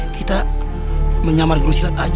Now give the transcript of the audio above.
kita menyamar guru silat aja